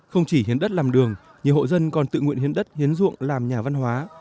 không chỉ hiến đất làm đường nhiều hộ dân còn tự nguyện hiến đất hiến ruộng làm nhà văn hóa